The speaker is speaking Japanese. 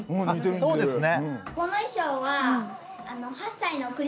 そうですね。